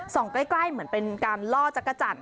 ใกล้เหมือนเป็นการล่อจักรจันท